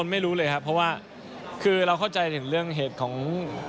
เพราะว่าคือเราเข้าใจถึงเรื่องเหตุของ